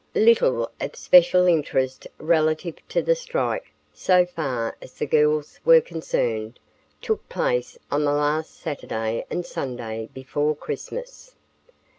Little of special interest relative to the strike, so far as the girls were concerned, took place on the last Saturday and Sunday before Christmas.